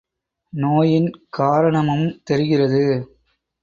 நோயின் காரணமும் தெரிகிறது.